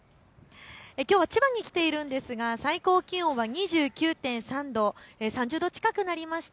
きょうは千葉に来ているんですが最高気温は２９．３度、３０度近くなりました。